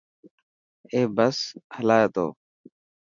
اي بس هلائي تو.